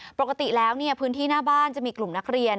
ปกติแล้วพื้นที่หน้าบ้านจะมีกลุ่มนักเรียน